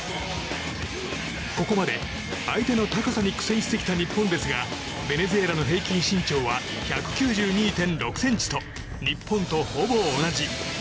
ここまで相手の高さに苦戦してきた日本ですがベネズエラの平均身長は１９２．６ｃｍと日本とほぼ同じ。